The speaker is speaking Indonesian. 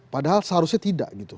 padahal seharusnya tidak